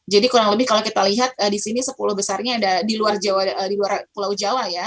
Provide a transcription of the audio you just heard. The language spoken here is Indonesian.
kurang lebih kalau kita lihat di sini sepuluh besarnya ada di luar pulau jawa ya